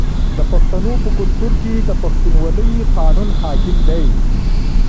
د پښتنو په کلتور کې د پښتونولۍ قانون حاکم دی.